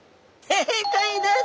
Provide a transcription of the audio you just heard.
正解です！